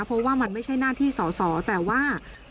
เพราะว่ามันไม่ใช่หน้าที่สอสอแต่ว่า